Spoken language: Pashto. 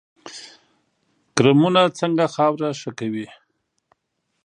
کرمونه څنګه خاوره ښه کوي؟